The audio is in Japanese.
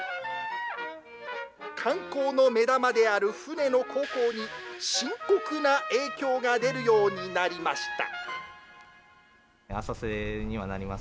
観光の目玉である船の航行に、深刻な影響が出るようになりました。